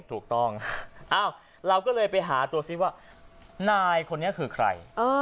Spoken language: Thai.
ถูกต้องเราก็เลยไปหาตัวซิว่านายคนนี้คือใคร